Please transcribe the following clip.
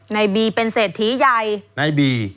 นายบีเป็นเศรษฐีใหญ่